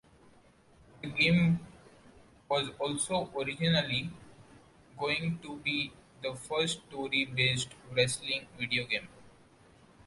The game was also originally going to be the first story-based wrestling video game.